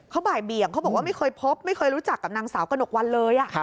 เขาบ่ายเบี่ยงเขาบอกว่าไม่เคยพบไม่เคยรู้จักกับนางสาวกระหนกวันเลย